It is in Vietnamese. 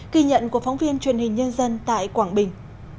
ghi nhận của phóng viên truyền hình nhân dân tại quảng bình